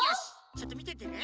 ちょっとみててね。